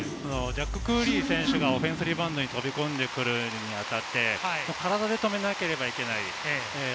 ジャック・クーリー選手がオフェンスリバウンドに飛び込んでくるのに当たって、体で止めなければならない。